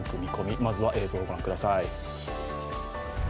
まずは映像をご覧ください。